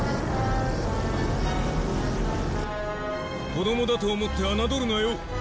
子供だと思ってあなどるなよ。